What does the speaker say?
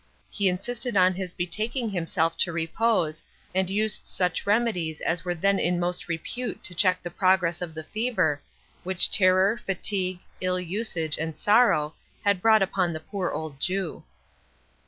He insisted on his betaking himself to repose, and used such remedies as were then in most repute to check the progress of the fever, which terror, fatigue, ill usage, and sorrow, had brought upon the poor old Jew.